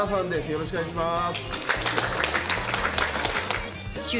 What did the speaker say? よろしくお願いします！